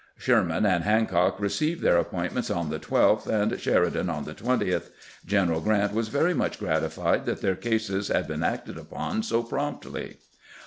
Sherman and Han cock received their appointments on the 12th, and Sheri dan on the 20th. G eneral G rant was very much gratified that their cases had been acted upon so promptly.